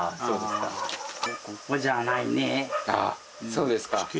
そうですか。